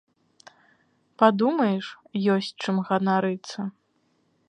Падумаеш, ёсць чым ганарыцца!